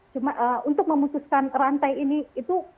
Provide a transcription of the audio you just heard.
cuma untuk memutuskan rantai ini itu